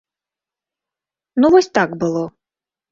Ну вось так было.